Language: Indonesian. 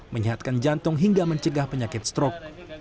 menyehatkan jantung hingga mencegah penyakit strok